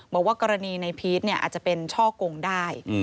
บอกว่ากรณีในพีชอาจจะเป็นช่อกงได้